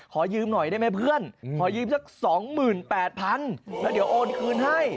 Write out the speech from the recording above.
ขอยืมหน่อยได้ไหมเพื่อนขอยืมสัก๒๘๐๐๐แล้วเดี๋ยวโอนคืนให้